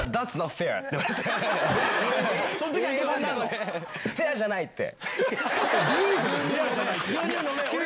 「フェアじゃない」って。